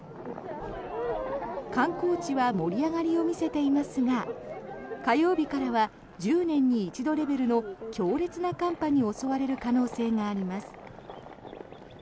観光地は盛り上がりを見せていますが火曜日からは１０年に一度レベルの強烈な寒波に襲われる可能性があります。